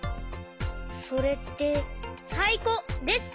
それってたいこですか？